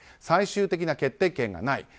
最終的な決定権がない。